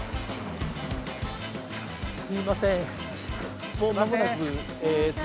すみません。